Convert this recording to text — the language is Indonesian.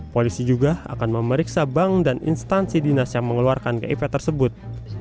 polisi juga akan memeriksa bank dan instansi dinas yang mengeluarkan kiv tersebut